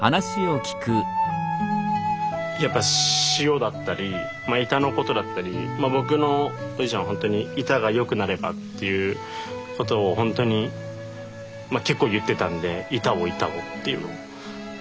やっぱ塩だったり井田のことだったり僕のおじいちゃんはほんとに井田が良くなればっていうことをほんとにまあ結構言ってたんで井田を井田をっていうのを。